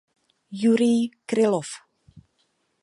Jurij Krylov.